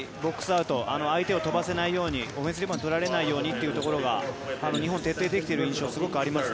アウト相手を飛ばせないようにオフェンスリバウンドとられないようにというところは日本は徹底できている印象があります。